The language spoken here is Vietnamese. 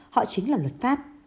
họ chính là luật pháp